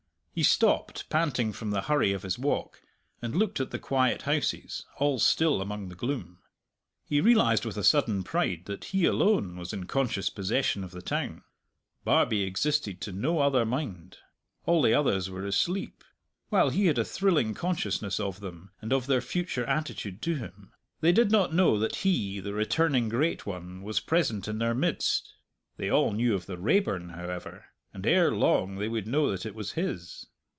He stopped, panting from the hurry of his walk, and looked at the quiet houses, all still among the gloom. He realized with a sudden pride that he alone was in conscious possession of the town. Barbie existed to no other mind. All the others were asleep; while he had a thrilling consciousness of them and of their future attitude to him, they did not know that he, the returning great one, was present in their midst. They all knew of the Raeburn, however, and ere long they would know that it was his.